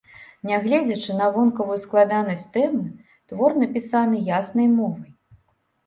Нягледзячы на вонкавую складанасць тэмы, твор напісаны яснай мовай.